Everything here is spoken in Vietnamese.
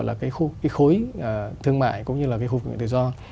nhiều cái gọi là cái khối thương mại cũng như là cái khối tự do